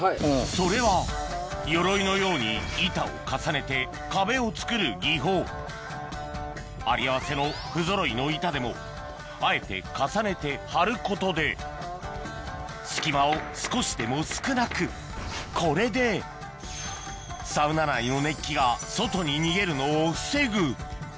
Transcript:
それはよろいのように板を重ねて壁を作る技法有り合わせの不ぞろいの板でもあえて重ねて張ることで隙間を少しでも少なくこれでサウナ内の熱気が外に逃げるのを防ぐ